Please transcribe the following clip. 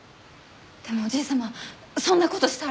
でもおじいさまそんなことしたら。